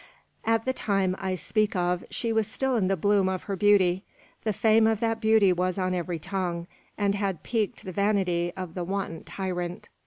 "At the time I speak of she was still in the bloom of her beauty. The fame of that beauty was on every tongue, and had piqued the vanity of the wanton tyrant.